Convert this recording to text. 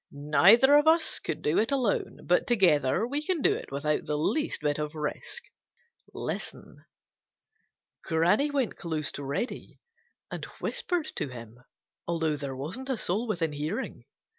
Neither of us could do it alone, but together we can do it without the least bit of risk. Listen." Granny went close to Reddy and whispered to him, although there wasn't a soul within hearing.